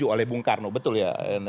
di oleh bung karno betul ya